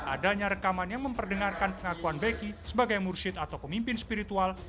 adanya rekaman yang memperdengarkan pengakuan beki sebagai mursyid atau pemimpin spiritual